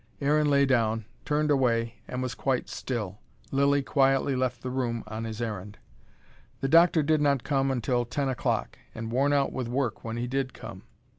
Aaron lay down, turned away, and was quite still. Lilly quietly left the room on his errand. The doctor did not come until ten o'clock: and worn out with work when he did come.